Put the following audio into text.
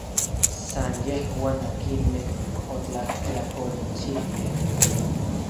San yejuan akinmej otlajtlakolchijkej.